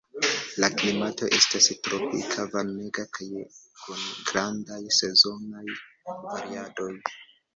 La klimato estas tropika, varmega kaj kun grandaj sezonaj variadoj.